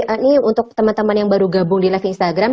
ini untuk teman teman yang baru gabung di live instagram